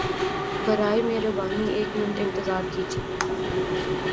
برائے مہربانی ایک منٹ انتظار کیجئیے!